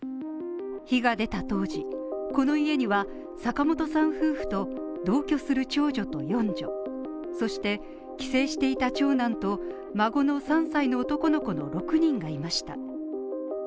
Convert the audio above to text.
火が出た当時、この家には坂本さん夫婦と同居する長女と４女、そして、帰省していた長男と孫の３歳の男の子の６人がいました